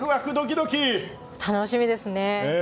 楽しみですね。